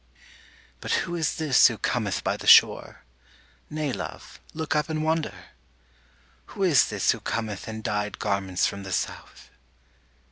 But who is this who cometh by the shore? (Nay, love, look up and wonder!) Who is this Who cometh in dyed garments from the South?